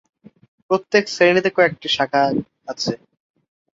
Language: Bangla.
প্রত্যেক শ্রেণিতে কয়েকটি করে শাখা আছে।